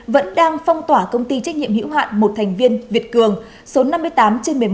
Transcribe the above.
vẫn đang phong tỏa công ty trách nhiệm hữu hạn một thành viên việt cường số năm mươi tám trên một mươi một